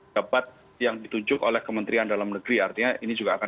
dapat yang ditunjuk oleh kementerian dalam negeri artinya ini juga akan